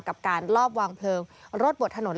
กับการลอบวางเพลิงรถบนถนน